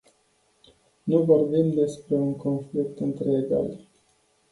Nu vorbim despre un conflict între egali.